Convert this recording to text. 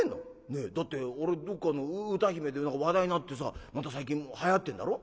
ねえだってあれどっかの歌姫で話題になってさまた最近はやってんだろ？